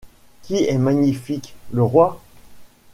Qui est magnifique ? le roi.